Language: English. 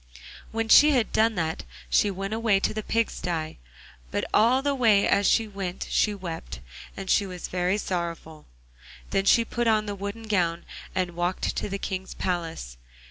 When she had done that she went away to the pig sty, but all the way as she went she wept, and was very sorrowful. Then she put on the wooden gown, and walked to the King's palace.